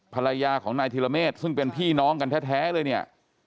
ภรรยาของนายธิรเมฆซึ่งเป็นพี่น้องกันแท้เลยเนี่ย